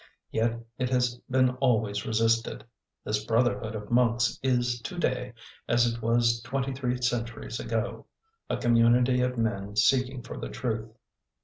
Yet it has been always resisted. This brotherhood of monks is to day as it was twenty three centuries ago a community of men seeking for the truth.